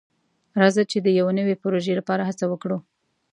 راځه چې د یو نوي پروژې لپاره هڅه وکړو.